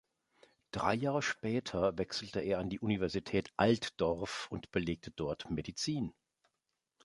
Drei Jahre später wechselte er an die Universität Altdorf und belegte dort Medizin.